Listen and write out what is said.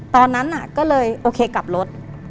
ตอนนั้นก็เลยโอเคกลับรถ